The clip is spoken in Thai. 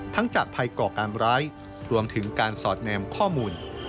จากภัยก่อการร้ายรวมถึงการสอดแนมข้อมูล